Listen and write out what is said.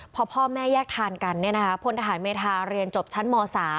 พอพ่อแม่แยกทางกันพลทหารเมธาเรียนจบชั้นม๓